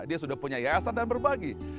dia sudah punya yayasan dan berbagi